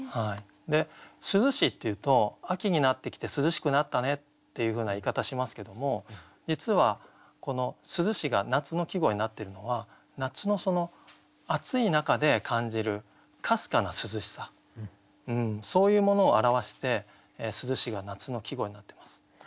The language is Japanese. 「涼し」っていうと秋になってきて涼しくなったねっていうふうな言い方しますけども実はこの「涼し」が夏の季語になってるのは夏の暑い中で感じるかすかな涼しさそういうものを表して「涼し」が夏の季語になってます。